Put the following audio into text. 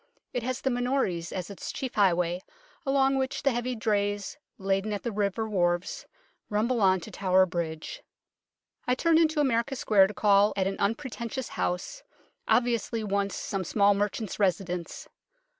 It has the Minories as its chief highway, along which the heavy drays laden at the river wharves rumble on to Tower Bridge. I turned into America Square to call at an unpretentious house, obviously once some small merchant's residence.